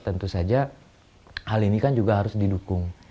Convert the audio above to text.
tentu saja hal ini kan juga harus didukung